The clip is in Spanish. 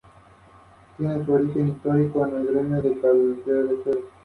Juan tenía deudas con los burgueses de Hamburgo.